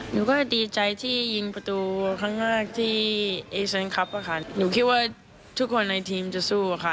หนูก็ดีใจที่ยิงประตูครั้งแรกที่เอเซนคลับอะค่ะหนูคิดว่าทุกคนในทีมจะสู้อะค่ะ